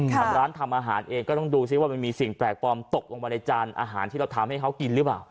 ทางร้านทำอาหารเองก็ต้องดูซิว่ามันมีสิ่งแปลกปลอมตกลงมาในจานอาหารที่เราทำให้เขากินหรือเปล่า